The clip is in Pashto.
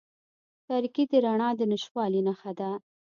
تاریکې د رڼا د نشتوالي نښه ده.